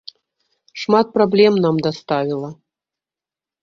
Шмат праблем нам даставіла.